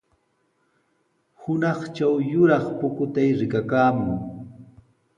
Hunaqtraw yuraq pukutay rikakaamun.